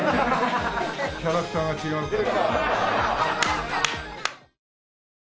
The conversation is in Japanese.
キャラクターが違うから。